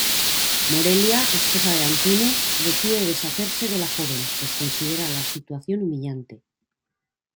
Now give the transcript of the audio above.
Morelia, esposa de Antúnez, decide deshacerse de la joven, pues considera la situación humillante.